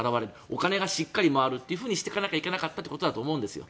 お金がしっかり回るというふうにしていかなきゃいけなかったということだと思うんですよ。